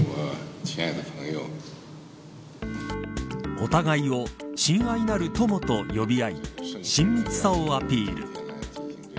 お互いを親愛なる友と呼び合い親密さをアピール。